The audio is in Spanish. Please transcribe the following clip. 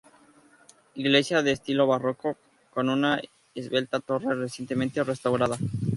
Iglesia de estilo barroco, con una esbelta torre recientemente restaurada.